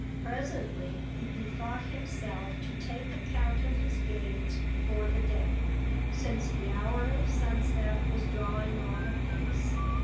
Presently he bethought himself to take account of his gains for the day, since the hour of sunset was drawing on apace.